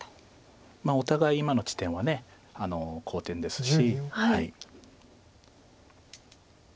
お互い今の地点は好点ですし。